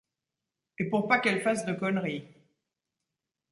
Et pour pas qu’elle fasse de conneries.